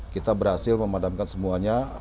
kita berhasil memadamkan semuanya